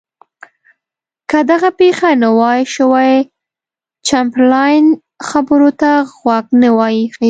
که دغه پېښه نه وای شوې چمبرلاین خبرو ته غوږ نه وای ایښی.